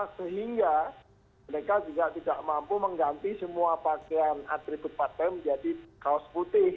sehingga mereka juga tidak mampu mengganti semua pakaian atribut partai menjadi kaos putih